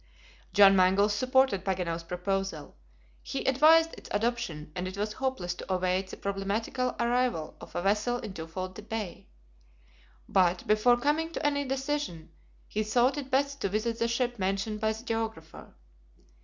John Mangles supported Paganel's proposal. He advised its adoption, as it was hopeless to await the problematical arrival of a vessel in Twofold Bay. But before coming to any decision, he thought it best to visit the ship mentioned by the geographer.